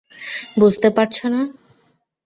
বুঝতে পারছ না?